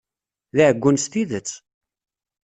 D aɛeggun s tidet!